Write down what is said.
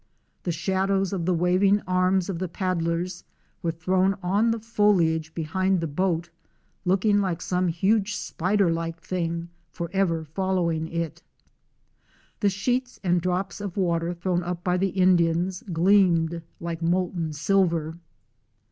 The shadows of the waving arms of the paddlers were thrown on the foliage behind the boat, looking like some huge spider like thing forever following it. The sheets and drops of water thrown up by the Indians gleamed like molten silver.